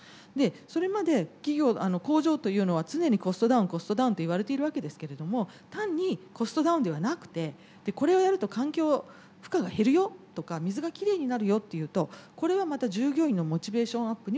それまで工場というのは常にコストダウンコストダウンと言われているわけですけれども単にコストダウンではなくてこれをやると環境負荷が減るよとか水がきれいになるよって言うとこれはまた従業員のモチベーションアップにもつながる。